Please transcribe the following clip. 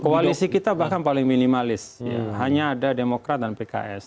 koalisi kita bahkan paling minimalis hanya ada demokrat dan pks